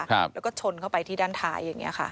แล้วก็ชนเข้าไปที่ด้านท้ายอย่างเงี้ค่ะ